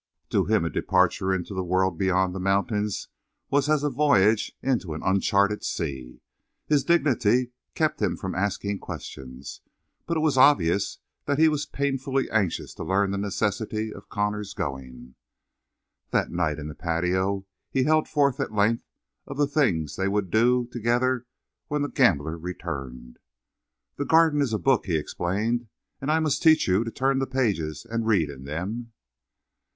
To him a departure into the world beyond the mountains was as a voyage into an uncharted sea. His dignity kept him from asking questions, but it was obvious that he was painfully anxious to learn the necessity of Connor's going. That night in the patio he held forth at length of the things they would do together when the gambler returned. "The Garden is a book," he explained. "And I must teach you to turn the pages and read in them."